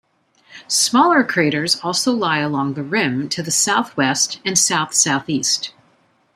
Smaller craters also lie along the rim to the southwest and south-southeast.